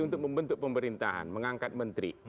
untuk membentuk pemerintahan mengangkat menteri